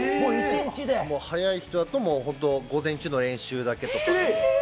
早い人だと午前中の練習だけとか。